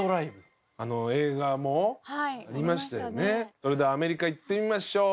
それではアメリカいってみましょう！